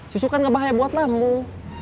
susu kan gak bahaya buat lambung